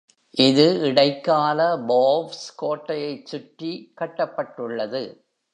இது இடைக்கால போவ்ஸ் கோட்டையைச் சுற்றி கட்டப்பட்டுள்ளது.